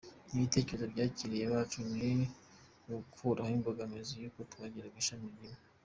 Ni ibitekerezo by’abakiriya bacu, ni ugukuraho imbogamizi y’uko twagiraga ishami rimwe.